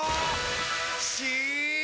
し！